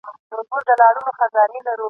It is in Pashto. را جلا له خپلي مېني را پردېس له خپلي ځالي !.